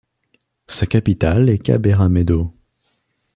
Sa capitale est Kaberamaido.